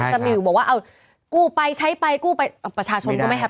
ก็มีอยู่บอกว่ากู้ไปใช้ไปกู้ไปประชาชนก็ไม่แฮปปี้หรอก